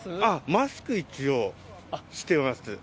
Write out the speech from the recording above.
マスク、一応してます。